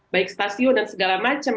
baik stasiun dan segala macam